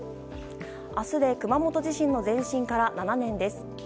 明日で熊本地震の前震から７年です。